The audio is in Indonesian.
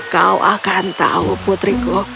kau akan tahu putriku